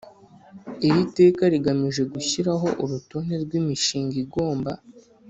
Iri teka rigamije gushyiraho urutonde rw imishinga igomba